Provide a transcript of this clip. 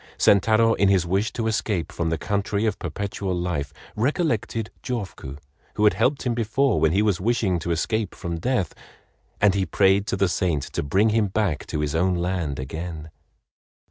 Sentaro, in his wish to escape from the country of Perpetual Life, recollected Jofuku, who had helped him before when he was wishing to escape from death—and he prayed to the saint to bring him back to his own land again.